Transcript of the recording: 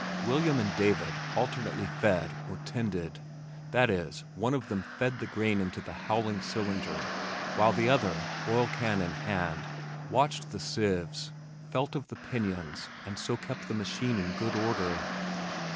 William and David alternately "fed" or "tended," that is, one of them "fed" the grain into the howling cylinder while the other, oil can in hand, watched the sieves, felt of the pinions and so kept the machine in good order.